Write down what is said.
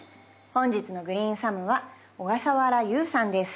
本日のグリーンサムは小笠原悠さんです。